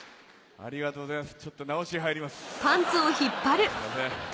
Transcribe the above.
ありがとうございます。